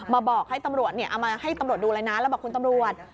มาบอกให้ตำรวจดูอะไรนะแล้วบอกคุณตำรวจ